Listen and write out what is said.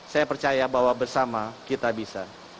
saya percaya bahwa bersama kita bisa